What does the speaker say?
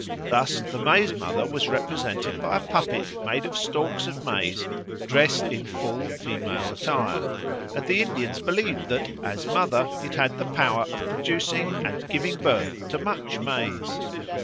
Thus the Maize mother was represented by a puppet made of stalks of maize dressed in full female attire; and the Indians believed that "as mother, it had the power of producing and giving birth to much maize."